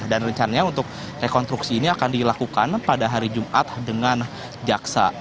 dan rencananya untuk rekonstruksi ini akan dilakukan pada hari jumat dengan jaksa